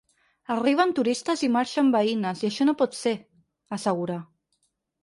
Arriben turistes i marxen veïnes i això no pot ser, assegura.